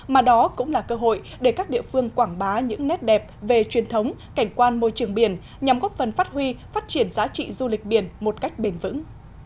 mà đó cũng là cơ hội để các địa phương quảng bá những nét đẹp về truyền thống cảnh quan môi trường biển nhằm góp phần phát huy phát triển giá trị du lịch biển một cách bền vững